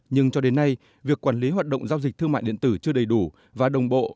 nhưng cho đến nay việc quản lý hoạt động giao dịch thương mại điện tử chưa đầy đủ và đồng bộ